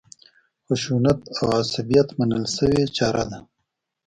خشونت او عصبیت منل شوې چاره ده.